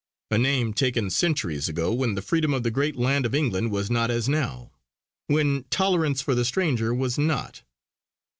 A name taken centuries ago when the freedom of the great land of England was not as now; when tolerance for the stranger was not.